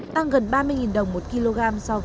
tăng gần ba mươi đồng một kg